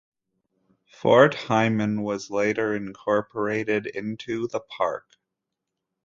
Fort Heiman was later incorporated into the park.